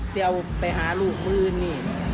จะเอาไปหาลูกปืนนี่